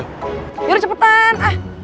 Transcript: yaudah cepetan ah